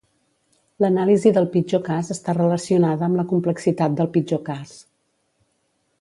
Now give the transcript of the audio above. L'anàlisi del pitjor cas està relacionada amb la complexitat del pitjor cas.